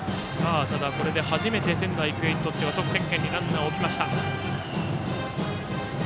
ただ、これで初めて仙台育英にとっては得点圏にランナーを置きました。